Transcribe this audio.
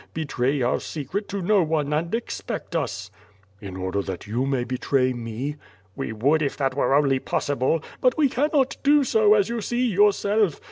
Betray our secret to no one and expect us.^' "In order that you may betray me?" "We would if that were only possible! But we cannot do so as you see yourself.